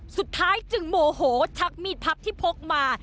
สุดท้ายจึงโมโหชักมีดพับที่พกมา